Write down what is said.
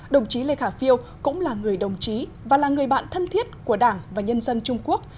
đồng chí lê khả phiêu cũng là người đồng chí và là người bạn thân thiết của đảng và nhân dân trung quốc